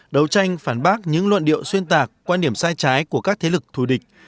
đấu tranh phản bác những luận điệu xuyên tạc quan điểm sai trái của các thế lực thù địch